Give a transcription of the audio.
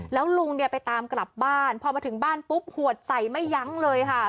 แล้วลุงไปตามกลับบ้านพอเขามาถึงบ้านปุ๊บหวดใสไม่ย้างเลยค่ะ